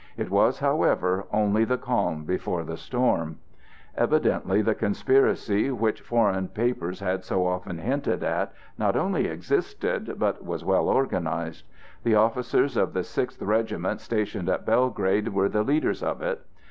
It was, however, only the calm before the storm. Evidently the conspiracy which foreign papers had so often hinted at not only existed, but was well organized. The officers of the Sixth Regiment stationed at Belgrade were the leaders of it.